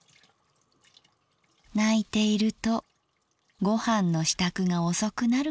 「泣いているとご飯の仕度がおそくなるからさ。